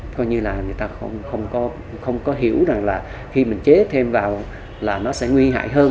coi như là người ta không có hiểu rằng là khi mình chế thêm vào là nó sẽ nguy hại hơn